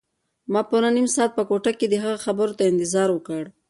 ما پوره نیم ساعت په کوټه کې د هغه خبرو ته انتظار وکړ.